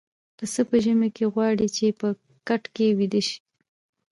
پسه په ژمي کې غواړي چې په کټ کې ويده شي.